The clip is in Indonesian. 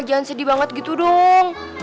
jangan sedih banget gitu dong